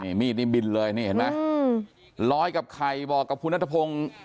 นี่มีดนี่บินเลยนี่เห็นไหมลอยกับไข่บอกกับคุณนัทพงศ์